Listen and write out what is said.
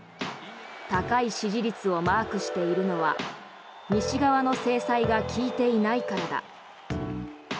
高い支持率をマークしているのは西側の制裁が効いていないからだ。